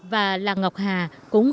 và làng ngọc hà cũng không còn